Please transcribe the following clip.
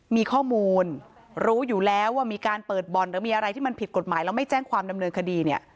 มีข้อมูลรู้อยู่แล้วว่ามีการเปิดบ่อนหรือมีอะไรที่มันผิดกฎหมายแล้วไม่แจ้งความดำเนินคดีเนี่ย